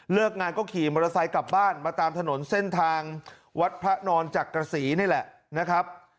งานก็ขี่มอเตอร์ไซค์กลับบ้านมาตามถนนเส้นทางวัดพระนอนจักรศรีนี่แหละนะครับ